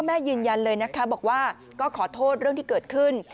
พ่อแม่ยืนยันเลยบอกว่าก็ขอโทษเรื่องที่เกิดขึ้น